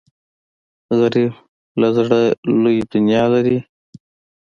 غریب له زړه لوی دنیا لري